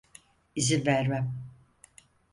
İzin vermem.